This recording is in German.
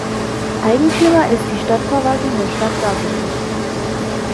Eigentümer ist die Stadtverwaltung der Stadt Dublin.